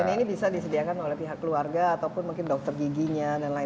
jadi ini bisa disediakan oleh pihak keluarga ataupun mungkin dokter giginya dll